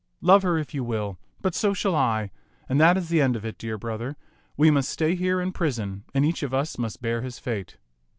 Love her if you will ; but so shall I, and that is the end of it, dear brother. We must stay here in prison, and each of us must bear his fate."